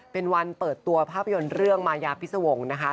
เป็นวันเปิดตัวภาพยนตร์เรื่องมายาพิษวงศ์นะคะ